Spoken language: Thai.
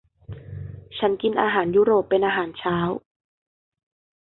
ฉันกินอาหารยุโรปเป็นอาหารเช้า